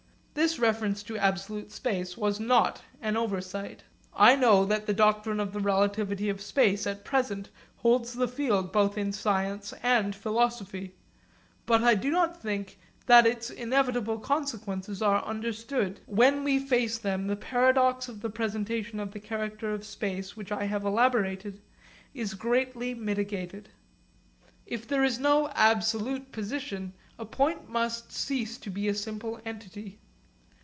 This reference to absolute space was not an oversight. I know that the doctrine of the relativity of space at present holds the field both in science and philosophy. But I do not think that its inevitable consequences are understood. When we really face them the paradox of the presentation of the character of space which I have elaborated is greatly mitigated. If there is no absolute position, a point must cease to be a simple entity.